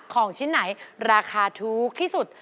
ของชิ้นไหนราคาถูกที่สุด